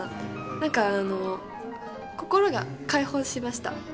なんかあの心が解放しました。